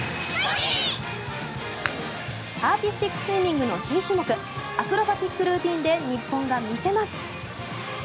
アーティスティックスイミングの新種目アクロバティックルーティンで日本が見せます。